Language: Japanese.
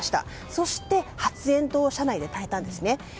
そして、発煙筒を車内でたいたんですね。